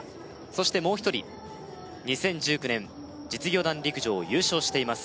そしてもう一人２０１９年実業団陸上を優勝しています